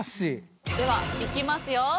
ではいきますよ。